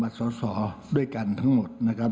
การตรวจสอบคุณสมบัติศาสตร์ด้วยกันทั้งหมดนะครับ